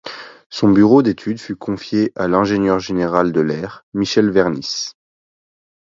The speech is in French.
Son bureau d’études fut confié à l’ingénieur général de l’air Michel Vernisse.